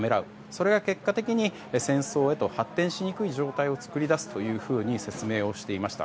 それが結果的に戦争へと発展しにくい状態を作り出すというふうに説明をしていました。